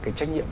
cái trách nhiệm